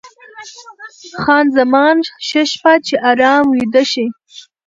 خان زمان: ښه شپه، چې ارام ویده شې.